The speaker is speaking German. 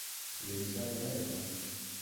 Lebensjahr seine Eltern.